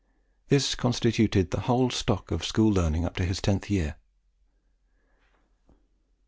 This constituted his whole stock of school learning up to his tenth year.